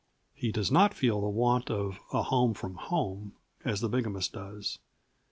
He does not feel the want of "a home from home," as the bigamist does.